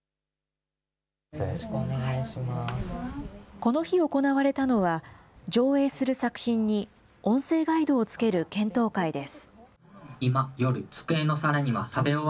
この日、行われたのは上映する作品に、音声ガイドをつける検討会です。